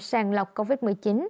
sàng lọc covid một mươi chín